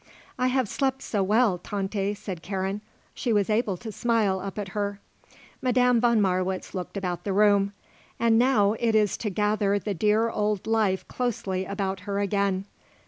"I have slept so well, Tante," said Karen. She was able to smile up at her. Madame von Marwitz looked about the room. "And now it is to gather the dear old life closely about her again.